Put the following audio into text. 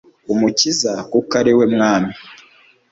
umukiza, kuko ari we mwami